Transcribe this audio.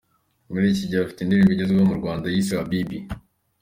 Muri iki gihe afite indirimbo igezweho mu Rwanda yise ‘Habibi’.